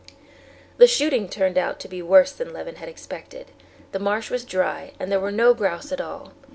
The shooting turned out to be worse than Levin had expected. The marsh was dry and there were no grouse at all.